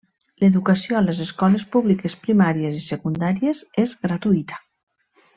L'educació a les escoles públiques primàries i secundàries és gratuïta.